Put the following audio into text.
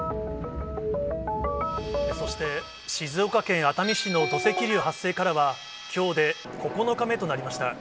そして静岡県熱海市の土石流発生からは、きょうで９日目となりました。